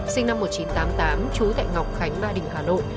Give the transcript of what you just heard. sinh năm một nghìn chín trăm tám mươi tám trú tại ngọc khánh ba đình hà nội